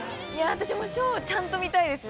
◆私もショーをちゃんと見たいですね。